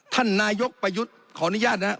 ท่านนายกไปยุทธ์ขออนุญาตนะฮะ